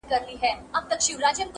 قاضي و ویل حاضر کئ دا نا اهله،